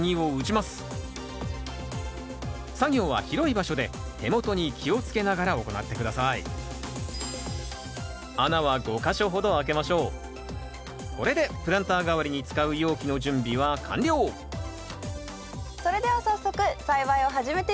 作業は広い場所で手元に気をつけながら行って下さいこれでプランター代わりに使う容器の準備は完了それでは早速栽培を始めていきましょう。